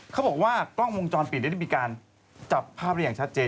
เขาบอกว่ากล้องวงจรปิดได้มีการจับภาพได้อย่างชัดเจน